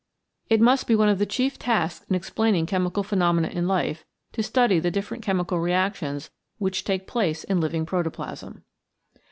It must be 63 CHEMICAL PHENOMENA IN LIFE one of the chief tasks in explaining chemical phenomena in life to study the different chemical reactions which take place in living protoplasm.